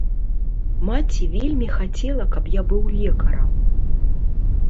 Маці вельмі хацела, каб я быў лекарам.